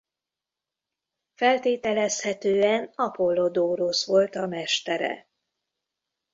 Feltételezhetően Apollodórosz volt a mestere.